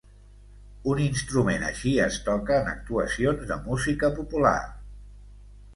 Un instrument així es toca en actuacions de música popular.